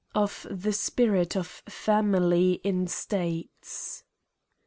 Of tilt Spirit of Family in States.